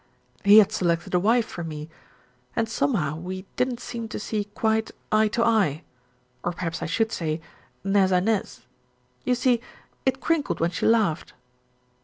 "He had selected a wife for me, and somehow we didn't seem to see quite eye to eye, or perhaps I should say nez a nez you see it crinkled when she laughed."